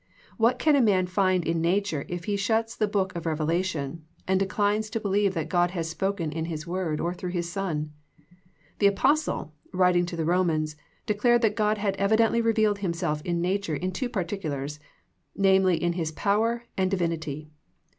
What can a man find in nature if he shuts the book of revelation, and declines to believe that God has spoken in His Word or through His Son ? The Apostle, writing to the Romans, declared that God had evidently revealed Himself in nature in two particulars, namely in His power and divin ity.